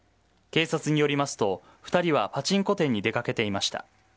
警察によりますと２人はパチンコ店に出かけていました。